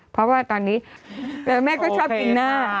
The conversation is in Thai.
เพราะว่าตอนนี้แม่ก็ชอบกินหน้า